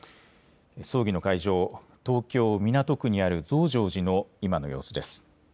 葬儀の会場、東京港区にある増上寺の今の様子です。